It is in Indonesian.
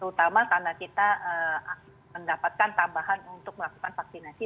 terutama karena kita mendapatkan tambahan untuk melakukan vaksinasi